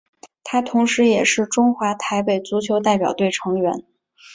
他同时也是中华台北足球代表队成员。